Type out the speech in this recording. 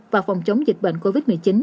và phòng chống dịch bệnh covid một mươi chín